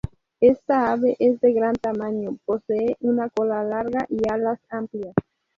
Esta ave es de gran tamaño, posee una cola larga y alas amplias.